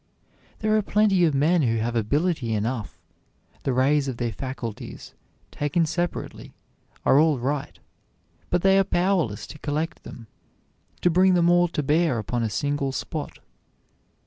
There are plenty of men who have ability enough; the rays of their faculties, taken separately, are all right, but they are powerless to collect them, to bring them all to bear upon a single spot.